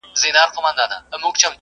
ځیني نور بیا ادعا کوي چي هغه خولۍ لرله.